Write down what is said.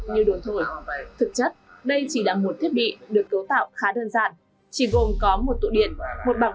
như đồi thổi thực chất đây chỉ là một thiết bị được cấu tạo khá đơn giản chỉ gồm có một tủ điện một bảng